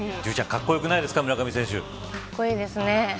かっこよくないですか村上選手。